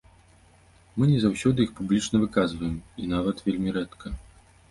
Мы не заўсёды іх публічна выказваем, і нават вельмі рэдка.